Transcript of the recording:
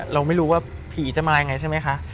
เราไม่รู้ว่าผีจะมายังไงใช่ไหมคะ